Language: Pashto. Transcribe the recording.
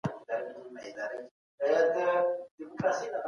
هغه په فرانسه کې زده کړې کړې وې.